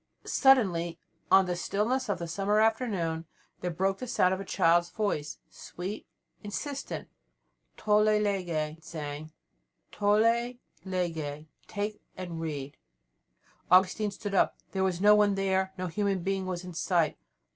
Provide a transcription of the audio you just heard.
Suddenly on the stillness of the summer afternoon there broke the sound of a child's voice, sweet, insistent. "Tolle, lege," it sang; "tolle, lege" ("Take and read"). Augustine stood up. There was no one there; no human being was in sight.